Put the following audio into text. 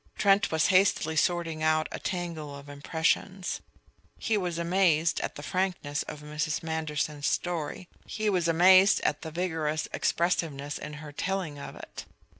Trent was hastily sorting out a tangle of impressions. He was amazed at the frankness of Mrs. Manderson's story. He was amazed at the vigorous expressiveness in her telling of it.